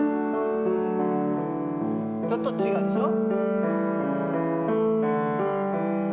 ちょっと違うでしょ。